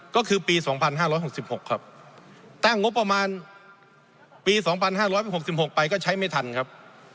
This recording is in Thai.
ก็คือปี๒๕๖๖ครับตั้งงบประมาณปี๒๕๖๖ไปก็ใช้ไม่ทันครับ